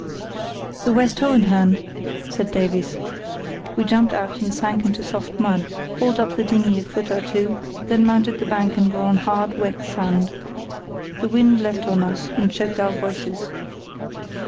"The West Hohenhörn," said Davies. We jumped out and sank into soft mud, hauled up the dinghy a foot or two, then mounted the bank and were on hard, wet sand. The wind leapt on us, and choked our voices.